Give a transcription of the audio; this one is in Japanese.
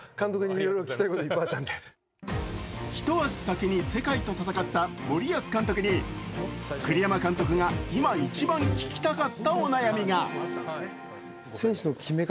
一足先に世界と戦った森保監督に栗山監督が今一番聞きたかったお悩みが。